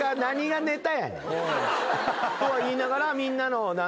とは言いながらみんなの紹介？